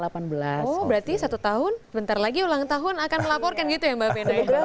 berarti satu tahun bentar lagi ulang tahun akan melaporkan gitu ya mbak venda ya